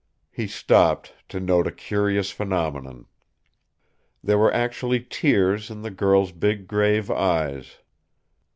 He stopped, to note a curious phenomenon. There were actually tears in the girl's big grave eyes.